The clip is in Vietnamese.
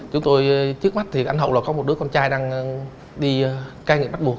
chúng tôi trước mắt thì anh hậu là có một đứa con trai đang đi cây nghệ bắt buộc